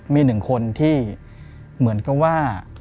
มีหนึ่งคนที่เหมือนกับว่า